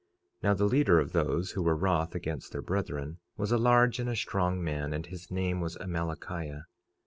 46:3 Now the leader of those who were wroth against their brethren was a large and a strong man; and his name was Amalickiah.